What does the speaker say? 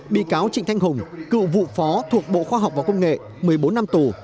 bị cáo trịnh thanh hùng cựu vụ phó thuộc bộ khoa học và công nghệ một mươi bốn năm tù